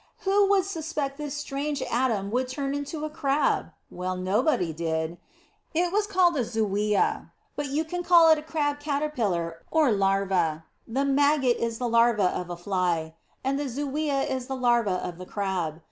Who would suspect this strange atom would turn into a Crab! Well, nobody did. It was called a zoea; but you can call it a Crab caterpillar or larva. The maggot is the larva of the fly, and the zoea is the larva of the Crab.